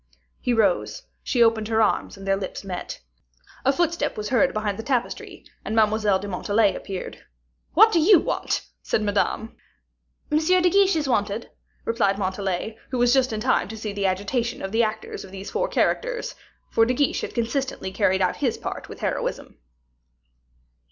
He rose, she opened her arms, and their lips met. A footstep was heard behind the tapestry, and Mademoiselle de Montalais appeared. "What do you want?" said Madame. "M. de Guiche is wanted," replied Montalais, who was just in time to see the agitation of the actors of these four characters; for De Guiche had consistently carried out his part with heroism.